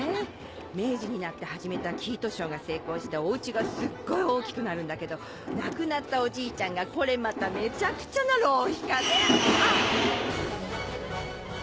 明治になって始めた生糸商が成功してお家がすっごい大きくなるんだけど亡くなったおじいちゃんがこれまためちゃくちゃな浪費家であっ！